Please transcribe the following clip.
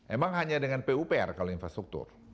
emang hanya dengan pupr kalau infrastruktur